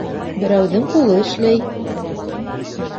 Берәүҙең ҡулы эшләй